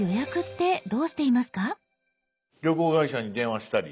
旅行会社に電話したり。